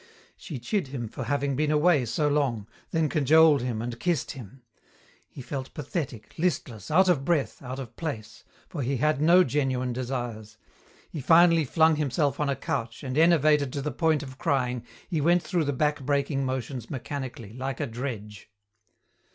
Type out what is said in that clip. She chid him for having been away so long, then cajoled him and kissed him. He felt pathetic, listless, out of breath, out of place, for he had no genuine desires. He finally flung himself on a couch and, enervated to the point of crying, he went through the back breaking motions mechanically, like a dredge.